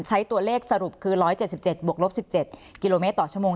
ใช้ตัวเลขสรุปคือ๑๗๗บวกลบ๑๗กิโลเมตรต่อชั่วโมง